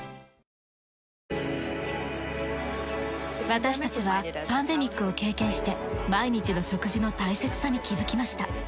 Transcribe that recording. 私たちはパンデミックを経験して毎日の食事の大切さに気づきました。